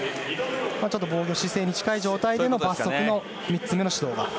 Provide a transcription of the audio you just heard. ちょっと防御姿勢に近い状態での罰則の３つ目の指導が。